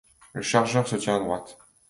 Le chargeur se tient à droite.